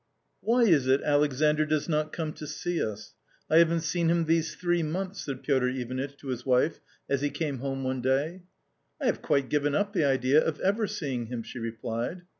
" Why is it Alexandr does not come to see us ? I haven't seen him these three months," said Piotr Ivanitch to his wife as he came home one day. " I have quite given up the idea of ever seeing him," she replied.